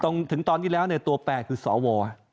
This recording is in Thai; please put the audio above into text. ถึงตอนนี้แล้วตัวแปลคือสว